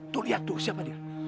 tuh lihat tuh siapa dia